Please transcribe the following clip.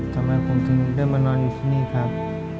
ทำไมผมถึงได้มานอนอยู่ที่นี่ครับ